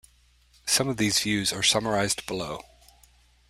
Some of these views are summarized below.